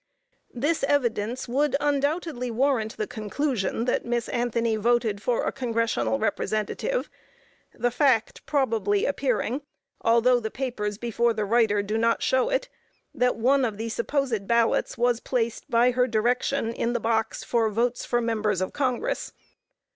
This evidence would undoubtedly warrant the conclusion that Miss Anthony voted for a Congressional representative, the fact probably appearing, although the papers before the writer do not show it, that one of the supposed ballots was placed by her direction in the box for votes for Members of Congress.